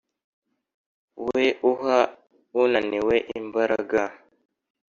we uha unaniwe imbaraga